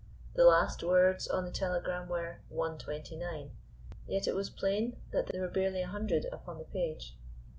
The last words on the telegram were "one twenty nine," yet it was plain that there were barely a hundred upon the page.